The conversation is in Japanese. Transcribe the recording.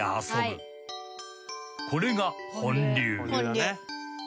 ［これが本流］